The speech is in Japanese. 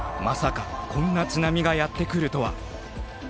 まさかこんな津波がやってくるとは。